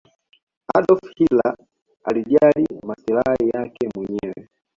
adolf hilter alijali masilai yake mwenyewe